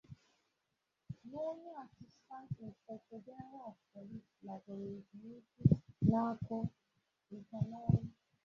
na onye 'Assistant Inspector General of Police' lagoro ezumike nka n'ọrụ